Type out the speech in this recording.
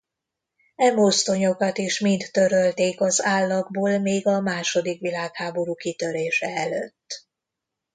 E mozdonyokat is mind törölték az állagból még a második világháború kitörése előtt.